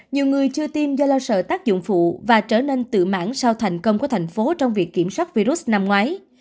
nhiều người chưa tiêm do lo sợ tác dụng phụ và trở nên tự mãn sau thành công của thành phố trong việc kiểm soát virus năm ngoái